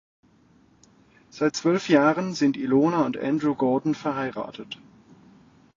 Seit zwölf Jahren sind Ilona und Andrew Gordon verheiratet.